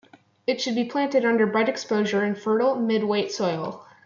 It should be planted under bright exposure in fertile, mid-weight soil.